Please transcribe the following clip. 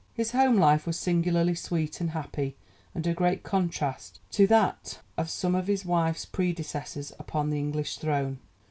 His home life was singularly sweet and happy, and a great contrast to that of some of his wife's predecessors upon the English throne.